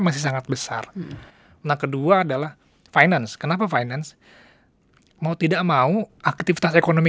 masih sangat besar nah kedua adalah finance kenapa finance mau tidak mau aktivitas ekonomi